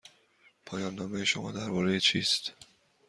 پایان نامه شما درباره چیست؟